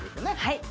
はい